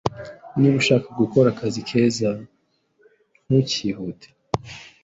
Niba ushaka gukora akazi keza, ntukihute. )